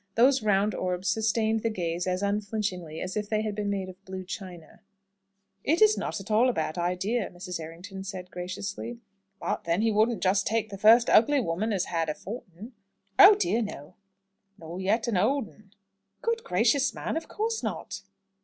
Those round orbs sustained the gaze as unflinchingly as if they had been made of blue china. "It is not at all a bad idea," Mrs. Errington said, graciously. "But then he wouldn't just take the first ugly woman as had a fort'n." "Oh dear no!" "No; nor yet an old 'un." "Good gracious, man! of course not!"